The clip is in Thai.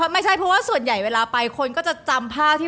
ไม่ใช่เพราะว่าส่วนใหญ่เวลาไปคนก็จะจำภาพที่